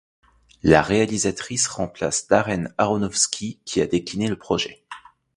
La réalisatrice remplace Darren Aronofsky, qui a décliné le projet.